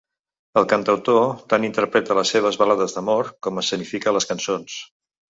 El cantautor tant interpreta les seves balades d’amor com escenifica les cançons.